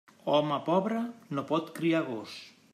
Home pobre no pot criar gos.